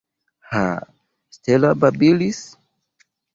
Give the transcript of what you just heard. Ha, Stella babilis?